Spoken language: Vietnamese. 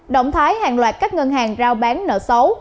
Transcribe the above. động thái hàng loạt các ngân hàng rao bán nợ xấu